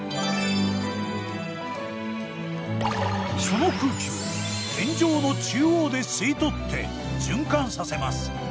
その空気を天井の中央で吸い取って循環させます。